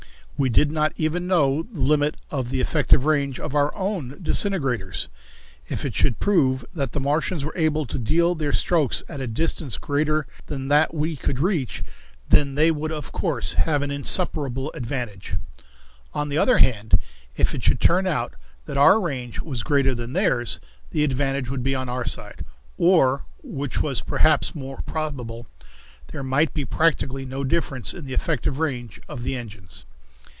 We did not even know the limit of the effective range of our own disintegrators. If it should prove that the Martians were able to deal their strokes at a distance greater than any we could reach, then they would of course have an insuperable advantage. On the other hand, if it should turn out that our range was greater than theirs, the advantage would be on our side. Or which was perhaps most probable there might be practically no difference in the effective range of the engines.